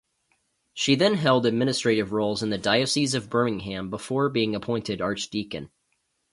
She then held administrative roles in the Diocese of Birmingham before being appointed archdeacon.